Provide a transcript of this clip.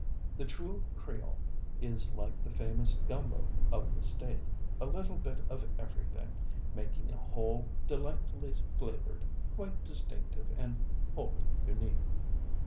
The true Creole is like the famous gumbo of the state, a little bit of everything, making a whole, delightfully flavored, quite distinctive, and wholly unique.